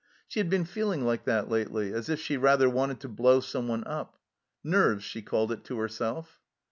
She had been feeling like that lately, as if she rather wanted to blow someone up. " Nerves," she called it to herself.